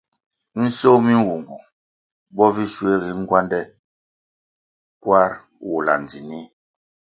Nsoh mi nwungu bo vi shuegi ngwande kwarʼ wula ndzinih.